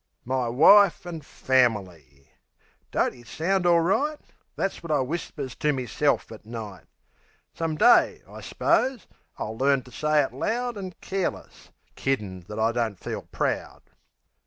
My wife an' fam'ly! Don't it sound all right! That's wot I whispers to meself at night. Some day, I s'pose, I'll learn to say it loud An' careless; kiddin' that I don't feel proud.